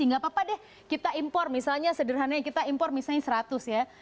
nggak apa apa deh kita impor misalnya sederhananya kita impor misalnya seratus ya